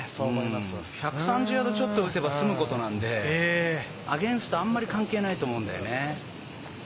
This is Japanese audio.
１３０ヤードちょっと打てば済むことなんで、アゲンスト、あまり関係ないと思うんだよね。